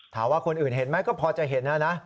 ถามว่าคนอื่นเห็นไหมก็พอจะเห็นนะนะ